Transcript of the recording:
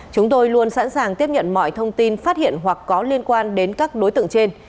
chúng tôi luôn sẵn sàng tiếp nhận mọi thông tin phát hiện hoặc có liên quan đến các đối tượng trên